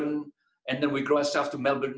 dan kemudian kita mengembangkan diri kita di melbourne